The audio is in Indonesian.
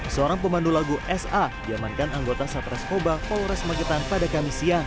seorang pemandu lagu sa diamankan anggota satreskoba polres magetan pada kamis siang